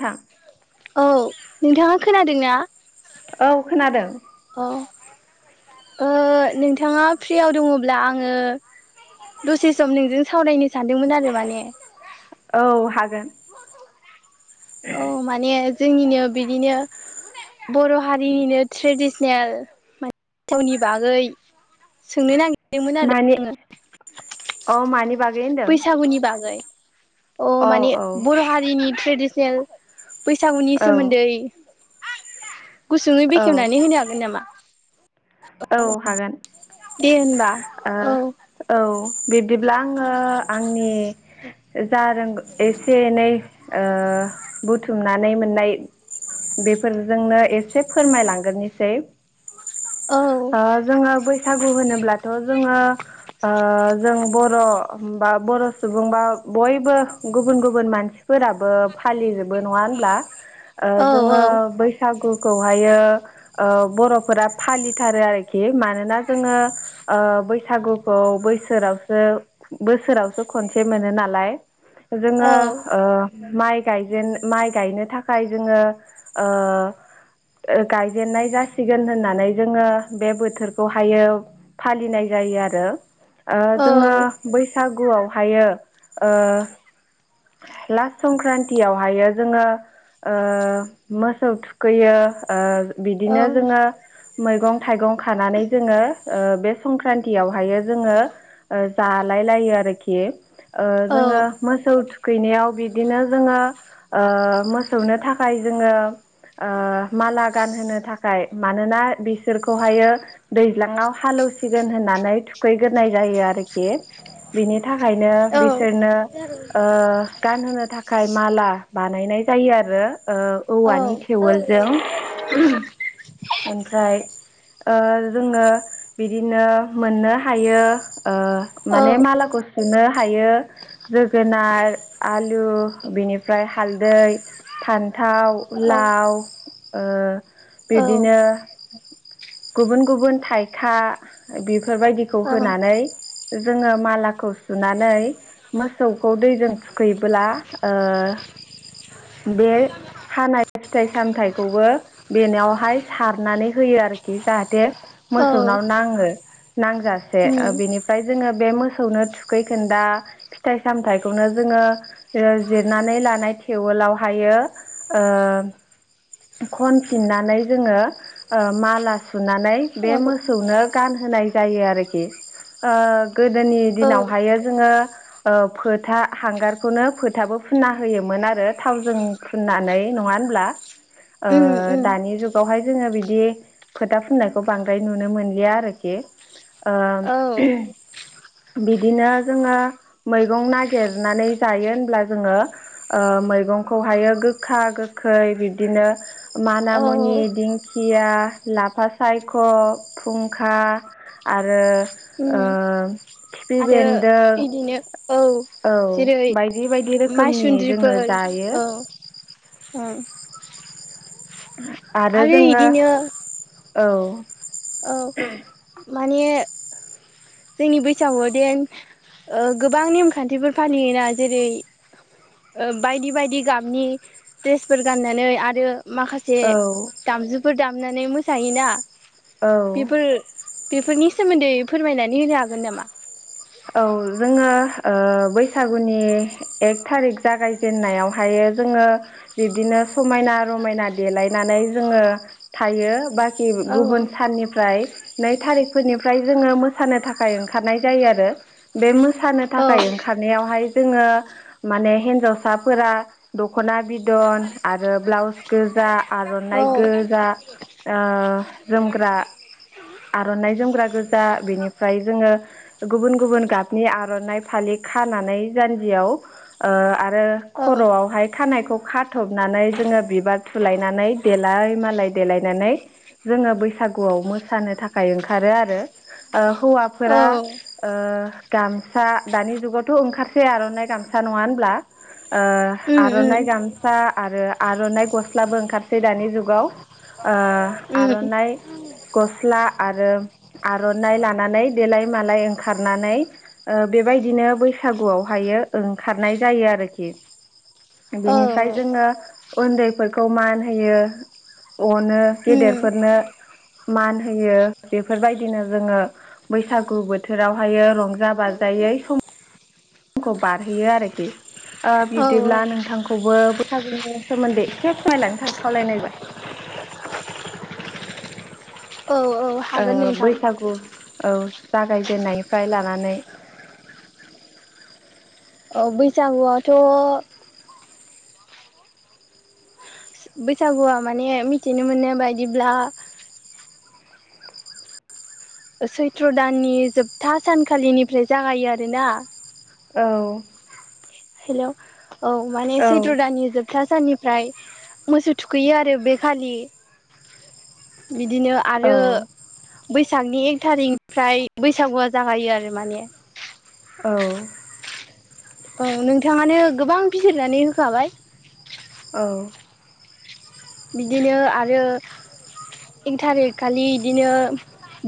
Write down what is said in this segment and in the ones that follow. थां औ नोंथाङा खोनादों ना? औ खोनादों। ओ नोंथाङा फ्रियाव दङब्ला आङो दसे सम नोंजों सावरायनो सानदोंमोन आरो माने। औ हागोन। औ माने जोंनिनो बिनिनो बर' हारिनिनो ट्रेडिसनेल माने गावनि बागै सोंनो नागिर मानि अ मानि? बागै होनदों बैसागुनि बागै। अ औ माने औ बर' हारिनि ट्रेडिसनेल बैसागुनि औ सोमोन्दै गुसुङै औ बेखेवनानै होनो हागोन नामा? औ हागोन दे होनबा औ ओ औ। बिब्दिब्ला आङो आंनि जा रों एसे एनै ओ बुथुमनानै मोननाय बेफोरजोंनो एसे फोरमायलांग्रोनिसै। औ ओ जोङो बैसागु होनोब्लाथ' जोङो ओ जों बर' बा बर' सुबुं बा बयबो गुबुन गुबुन मानसि फोराबो फालिजोबो नङा होनब्ला? ओ औ जोङो बैसागुखौहायो ओ बर'फोरा फालि थारो आरोखि मानोना जोङो बैसागुखौ बोसोरावसो बोसोरावसो खनसे मोनो नालाय जोङो ओ औ माइ गायजेन माइ गायनो थाखाय जोङो ओ गायजेननाय जासिगोन होननानै जोङो बे बोथोरखौहायो फालिनाय जायो आरो ओ जोङो औ बैसागुआवहायो ओ लास संक्रान्तियावहायो जोङो ओ मोसौ थुखैयो बिदिनो जोङो मैगं थाइगं खानानै जोङो ओ बे संक्रान्तियावहायो जोङो जा लायो आरोखि ओ औ जोङो मोसौ थुखै गैनायाव बिदिनो जोङो ओ मोसौनो थाखाय जोङो ओ माला गानहोनो थाखाय मानोना बिसोरखौहायो दैज्लाङाव हालेव सिगोन होननानै थुखैग्रोनाय जायो आरोखि। बिनि थाखायनो आरो बिसोरनो गानहोनो थाखाय माला बानायनाय जायो आरो औवानि थेवोलजों [unintelligible] ओमफ्राय जोङो बिदिनो मोननो हायो माने मालाखौ सुनो हायो जोगोनार आलु बेनिफ्राय हालदै फान्थाव लाव ओ बिदि बिदिनो गुबुन गुबुन थाइखा बेफोरबायदिखौ होनानै जोङो मालाखौ सुनानै मोसौखौ दैजों थुखैयोब्ला बे हानाय फिथाइ सामथथायखौबो बेनावहाय सारनानै होयो आरोखि जाहाथे मोसौनाव नाङो नांजासे बिनिफ्राय जों मनो थुखै खोना फिथा सामनो जों जिरना लायो जानाय थेवोलाव हायो खनफिननानै जोङो ओ माला सुनानै बे मोसौनो गानहोनाय जायो आरोखि ओ गोदोनि दिनावहायो जोङो फोथा हांगारखौनो फोथाबो फुना होयोमोन आरो थावजों फुननानै नङा होनब्ला ओ दानि जुगनि - बेवहाय जोङो बिदि फोथा फुननायखौ बांद्राय नुनो मोनलिया आरोखि ओम बिदिनो जोङो मैगं नागिरनानै जायो होनब्ला जोङो ओ मैगंखौ हायो गोखा गोखै बिदिनो माना मुनि दिंखिया लाफा सायख' फुंखा आरो ओ खिफि आरो बेन्दों बिदिनो औ औ जेरै बायदि बायदि रोखोमनि जोङो माइसुन्द्रिफोर जायो औ औ आरो जोङो इदिनो औ औ माने [unintelligible] [inaudible] जोंनि बैसागुआव देन गोबां नेमखान्थिफोर फालियोना जेरै बायदि बायदि गाबनि दड्रेसफोर गाननानै आरो माखासे औ दामजुफोर दामनानै मोसायोना औ बेफोर बेफोरनि सोमोन्दै फोरमायनानै होनो हागोन नामा औ जोङो ओ बैसागुनि एक थारिक जागाय जेननायावहायो जोङो बिब्दिनो समायना रमायना देलायनानै जोङो थायो बाखि गुबुन उम साननिफ्राय नै थारिखफोरनिफ्राय जोङो मोसानो थाखाय ओंखारनाय जायो आरो बे मोसानो उम थाखाय ओंखारनायावहाय जोङो माने हिनजावसाफोरा दख'ना बिदन आरो ब्लाउस गोजा आर'नाइ गोजा ओ जोमग्रा आरनाइ जोमग्रा गोजा बेनिफ्राय जोङो गुबुन गुबुन गाबनि आर'नाइ फालि खानानै जान्जियाव ओ आरो खर' आवहाय खानायखौ खाथबनानै जोङो बिबार थुलायनानै देलाय मालाय देलायनानै जोङो बैसागु आव मोसानो थाखाय ओंखारो आरो ओ हौवा फोरा ओ गामसा दानि जुगावथ' ओंखारसै आर'नाइ गामसा नङा होनब्ला? ओ आर'नाइ गामसा आरो आर'नाइ गस्लाबो ओंखारसै दानि जुगाव ओ आर'नाइ गस्ला आरो आर'नाइ लानानै देलाय मालाय ओंखारनानै ओ बेबायदिनो बैसागु आवहायो ओंखारनाय जायो आरोखि। बेनिफ्राय जोङो उन्दै फोरखौ मान होयो। अनो उम गेदेर फोरनो मान होयो बेफोर बायदिनो जोंङो बैसागु बोथ बोथोराव हायो रंजा बाजायै सम समखौ बारहोयो आरोखि ओ औ बिब्दिब्ला नोंथां खौबो बैसागुनि सोमोन्दै एसे [inaudible] मायलांनो थाखाय खावलाय नायबाय। औ औ ओ हागोन नोंथां बैसागु औ। जागाय जेननाय निफ्राय लानानै बैसागु आथ' बैसागुआ माने मिथिनो मोननाय बायदिब्ला सैथ्र' दाननि जोबथा सानखालि निफ्राय जागायो आरोना। औ। हेल' औ माने औ सैथ दान जोब था साननिफ्राय मोसौ थुखैयो आरो बे खालि बिदिनो औ आरो बैसागनि एक थारिक निफ्राय बैसागुआ जागायो आरो माने। औ। औ नोंथाङानो गोबां बिजिरनानै होखाबाय। औ। बिदिनो आरो एक थारेक खालि इदिनो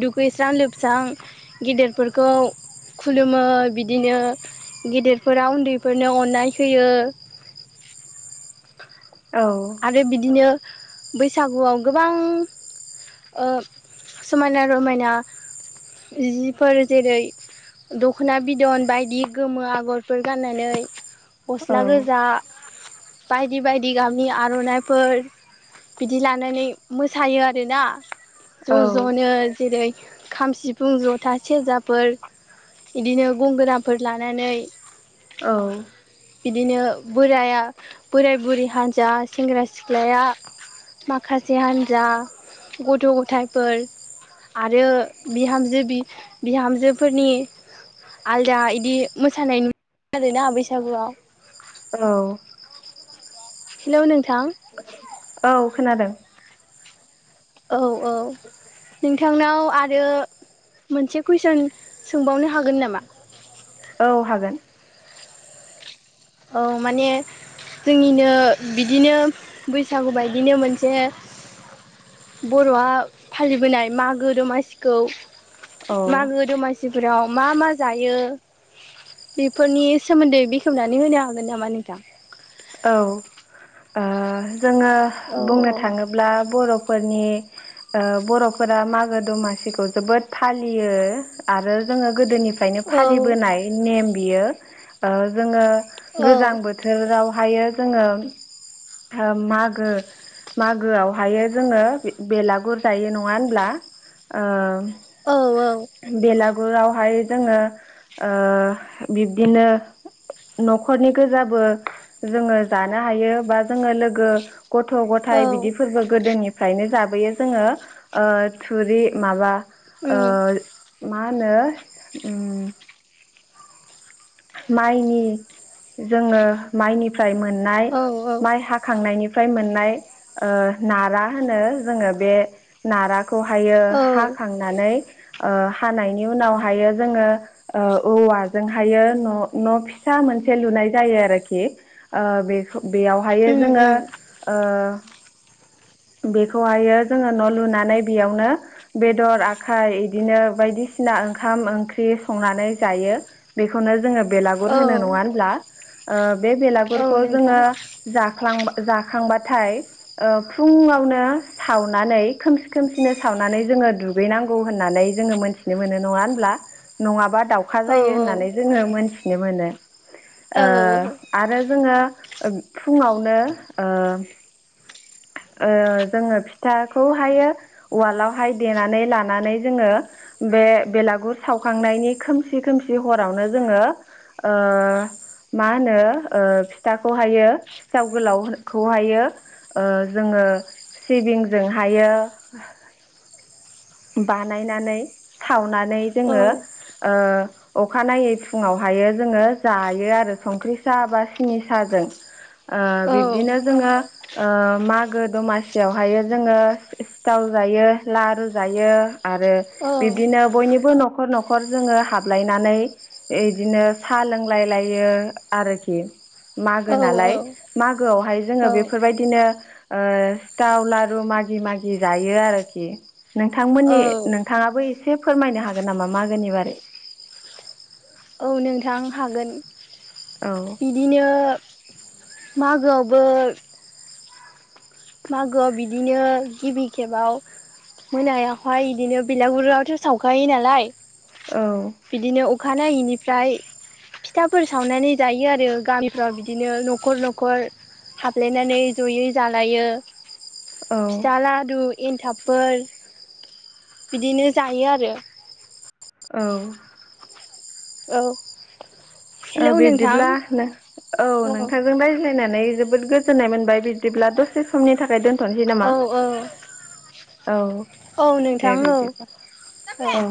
दुगैस्रां लोबस्रां गेदिर फोरखौ खुलुमो बिदिनो गेदेर फोरा उन्दै फोरनो अननाय होयो। औ आरो बिदिनो बैसागु आव गोबां ओ समायना रमायना जि फोर जेरै दख'ना बिदन बायदि गोमो आगर फोर गाननानै औ गस्ला गोजा बायदि बायदि गाम नि आर'नाइ फोर बिदि लानानै मोसायो आरोना। ज' ज'नो जेरै खाम सिफुं ज'था सेरजा फोर बिदिनो गंगोना फोर लानानै औ। बिदिनो बोराय बोराय बुरि हान्जा सेंग्रा सिख्लाया माखासे हान्जा गथ' गथाय फोर। आरो बिहामजो बिहामजो फोरनि आलदा इदि मोसानाय आरोना बैसागु आव। औ। हेल' नोंथां। खोनादों? औ औ नोंथांनाव आरो मोनसे कुइसन सोंबावनो हागोन नामा? औ हागोन। औ माने जोंनिनो बिदिनो बैसागु बायदिनो मोनसे बर'आ फालिबोनाय मागो दमासिखौ औ मागो दमासि फोराव मा मा जायो बेफोरनि सोमोन्दै बेखेवना नि होनो हागोन नामा नोंथां? औ ओ जोङो औ बुंनो थाङोब्ला बर' फोरनि ओ बर'फोरा मागो दमासिखौ जोबोद फालियो आरो जोङो गोदोनि फ्रायनो औ फालिबोनाय नेम बियो ओ जोंङो गोजां बोथोराव हायो जोंङो मागो मागोआवहायो जोङो बेलागुर जायो नङा होनब्ला ओ? औ बेलागुरावहाय जोङो ओ बिब्दिनो न'खरनि गोजाबो जोंङो जानो हायो बा जोंङो लोगो गथ' औ गथाय बिदिफोरबो गोदोनिफ्रायनो जाबोयो जोंङो। ओ थुरि माबा उम ओ मा होनो उम माइनि जोङो माइनिफ्राय मोननाय औ औ माइ हाखांनायनि फ्राय मोननाय नारा होनो जोंङो बे नारा खौहायो औ हाखांनानै ओ हानायनि उनावहायो जोंङो ओ औवाजोंहायो न फिथा मोनसे लुनाय जायो आरोखि ओ बे बेयावहायो उम जोङो उम ओ बेखौहायो जोंङो न' लुनानै बेयावनो बेदर आखाइ इदिनो बायदि सिना ओंखाम ओंख्रि संनानै जायो बेखौनो जोंङो बेलागुर औ होनो नङा होनब्ला? ओ बे औ बेलागुरखौ नोंथां जोंङो जाफ्लांबा जाखांबाथाय ओ फुंङावनो सावनानै खोमसि खोमसिनो सावनानै जोंङो दुगैनांगौ होननानै जोंङो मोन मिथिनो मोनो नङा होनब्ला नङाबा? दाउखा औ औ जायो होननानै जोंङो मोनथिनो मोनो ओ औ आरो जोंङो फुङावनो ओ [unintelligible] ओ जोङो फिथाखौहायो उवालावहाय देनानै लानानै जोङो बे बेलागुर सावखांनायनि खोमसि खोमसि हरावनो जोंङो ओ मा होनो ओ फिथाखौहायो सिथाव गोलावखौहायो ओ जोंङो सिबिंजों हायो बानायनानै सावनानै औ जोंङो ओ अखानायै फुङावहायो जोंङो जायो आरो संख्रि साहा बा सिनि साहा जों ओ बिदिनो जोंङो ओ मागो दमासियावहायो जोंङो सिथाव जायो लारु जायो आरो औ बिब्दिनो बयनिबो न'खर न'खर न'खर जोङो हाबलायनानै इदिनो साहा लोंलायलायो आरोखि‌। मागो औ नालाय मागोआवहाय जोंङो औ बेफोरबायदिनो ओ सिथाव लारु मागि मागि जायो आरोखि औ नोंथांमोननि नोंथाङाबो एसे फोरमायनो हागोन नामा मागोनि बारै? [inaudible] औ नोंथां हागोन। औ बिदिनो मागोआवबो मागोआव बिदिनो गिबि खेबाव मोनायावहाय बिदिनो बिलागुरियावथ' सावखायो नालाय औ। अखानायै बेनिफ्राय फिथाफोर सावनानै जायो आरो गामिफ्राव बिदिनो न'खर न'खर। हाबलायनानै जयै जालायो औ फिथा लादु एनथाबफोर बिदिनो जायो आरो। औ औ। ओ हेलौ नोंथां बिदिब्ला नो औ नोंथांजों रायज्लायनानै जोब जोबोद गोजोननाय मोनबाय बिदिब्ला दसे समनि थाखाय दोन- औ औ औ औ दे नोंथां औ बिदिबा औ